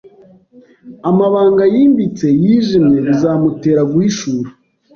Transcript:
amabanga yimbitse yijimye bizamutera guhishura